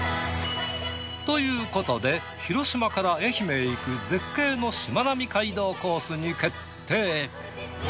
ということで広島から愛媛へ行く絶景のしまなみ海道コースに決定！